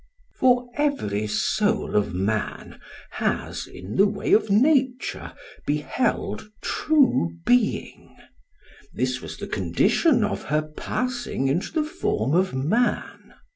For every soul of man has in the way of nature beheld true being; this was the condition of her passing into the form of man.